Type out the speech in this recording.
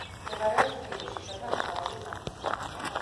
მდებარეობს თბილისში, შოთა რუსთაველის გამზ.